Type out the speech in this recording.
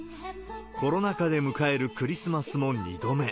コロナ禍で迎えるクリスマスも２度目。